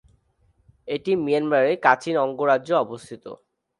এটি মিয়ানমারের কাচিন অঙ্গরাজ্যে অবস্থিত।